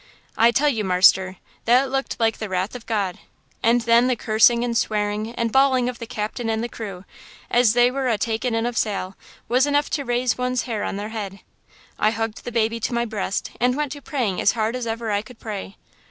I tell you, marster, that looked like the wrath of God! And then the cursing and swearing and bawling of the captain and the crew, as they were a takin' in of sail, was enough to raise one's hair on their head! I hugged the baby to my breast, and went to praying as hard as ever I could pray.